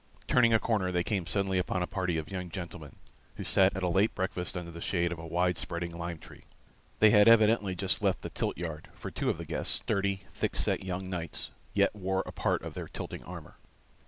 Turning a corner, they came suddenly upon a party of young gentlemen, who sat at a late breakfast under the shade of a wide spreading lime tree. They had evidently just left the tilt yard, for two of the guests sturdy, thick set young knights yet wore a part of their tilting armor.